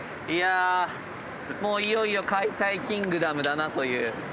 いやもういよいよ「解体キングダム」だなという。